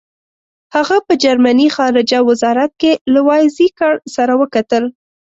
هغه په جرمني خارجه وزارت کې له وایزیکر سره وکتل.